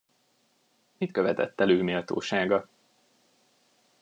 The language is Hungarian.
Mit követett el őméltósága?